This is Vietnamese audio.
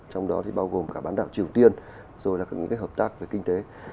trong đó thì bao gồm cả bán đảo triều tiên rồi là những cái hợp tác về kinh tế